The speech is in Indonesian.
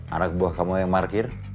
anak buah kamu yang parkir